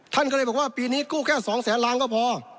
ท่านก็เลยบอกว่าปีนี้กู้แค่๒แสนล้านก็พอ